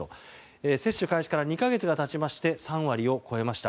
接種開始から２か月が経ちまして３割を超えました。